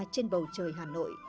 trên bầu trời hà nội